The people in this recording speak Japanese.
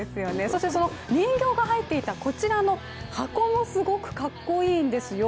そして人形が入っていたこちらの箱もすごくかっこいいんですよ。